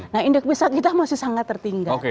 nah indeks kita masih sangat tertinggal